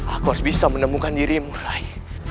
aku harus bisa menemukan dirimu rai